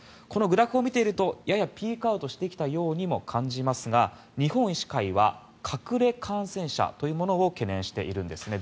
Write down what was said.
このグラフを見ているとややピークアウトしてきているようにも見えますが日本医師会は隠れ感染者というものを懸念しているんです。